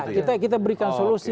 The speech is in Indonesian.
oh iya kita berikan solusi